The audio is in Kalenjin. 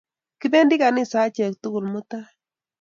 Kipendi ganisa achek tukul mutai